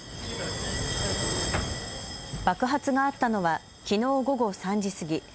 爆発があったのはきのう午後３時過ぎ。